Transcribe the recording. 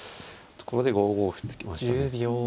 これで５五歩突きましたね。